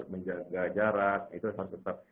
menjaga jarak itu harus tetap